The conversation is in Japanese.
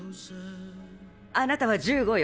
あなたは１５よ。